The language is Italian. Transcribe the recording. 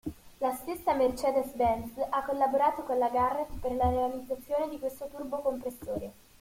La stessa Mercedes-Benz ha collaborato con la Garrett per la realizzazione di questo turbocompressore.